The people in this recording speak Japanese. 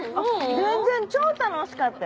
全然超楽しかったよ。